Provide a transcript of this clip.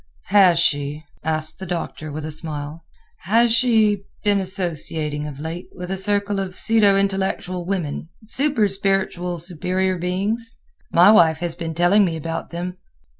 _" "Has she," asked the Doctor, with a smile, "has she been associating of late with a circle of pseudo intellectual women—super spiritual superior beings? My wife has been telling me about them."